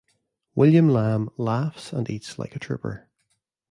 William Lamb laughs and eats like a trooper.